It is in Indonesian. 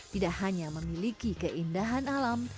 tidak hanya memiliki keindahan alam